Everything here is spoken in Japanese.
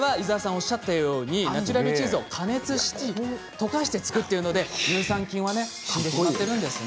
おっしゃったようにナチュラルチーズを加熱し溶かして作っているので乳酸菌はね死んでしまってるんですね